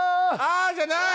「あ」じゃない！